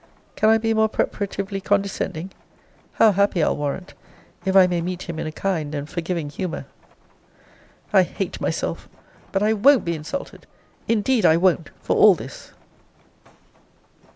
Can I be more preparatively condescending? How happy, I'll warrant, if I may meet him in a kind and forgiving humour! I hate myself! But I won't be insulted. Indeed I won't, for all this.